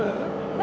何？